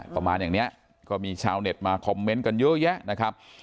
ประมาณอย่างนี้ก็มีชาวเน็ตมาคอมเมนต์กันเยอะแยะนะครับ